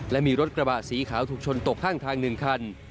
และมีรถกระบะสีขาวถูกชนตกข้างทาง๑คัน